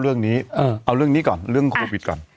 เอาเรื่องนี้ก่อนเรื่องโควิดก่อน